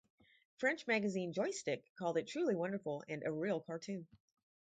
French magazine "Joystick" called it "truly wonderful" and "a real cartoon".